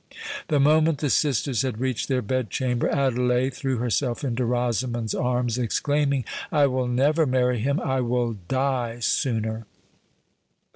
The moment the sisters had reached their bed chamber, Adelais threw herself into Rosamond's arms, exclaiming, "I will never marry him—I will die sooner!"